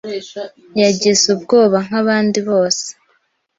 yagize ubwoba nkabandi bose.